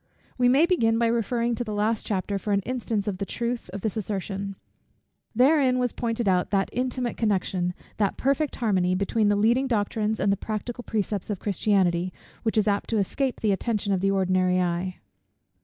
We may begin by referring to the last chapter for an instance of the truth of this assertion. Therein was pointed out that intimate connection, that perfect harmony, between the leading doctrines and the practical precepts of Christianity, which is apt to escape the attention of the ordinary eye.